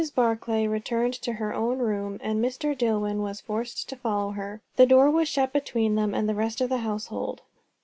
Barclay returned to her own room, and Mr. Dillwyn was forced to follow her. The door was shut between them and the rest of the household.